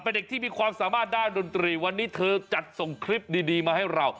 เป็นเด็กที่มีความสามารถด้านดนตรีวันนี้เธอจัดส่งคลิปดีมาให้เรา